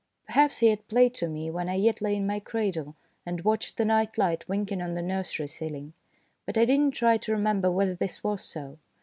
Perhaps he had played to me when I yet lay in my cradle, and watched the night light winking on the nursery ceiling ; but I did not try to remember whether this was so.